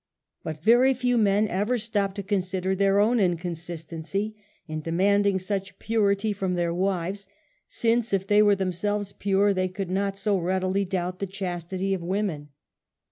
But very few men ever stoj) to consider their own inconsistency in demanding such purity from their wives, since, if they were themselves pure, they could not so readily doubt the chastity of women.